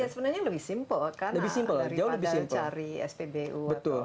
sebenarnya lebih simpel kan daripada cari spbu atau